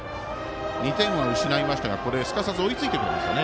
２点は失いましたがすかさず追いついてくれました。